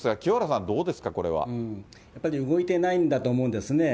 やっぱり動いてないんだと思いますね。